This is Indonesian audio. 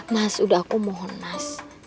mas udah aku mohon mas